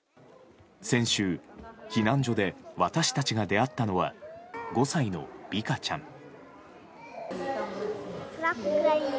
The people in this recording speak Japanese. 先週、避難所で私たちが出会ったのは５歳のヴィカちゃん。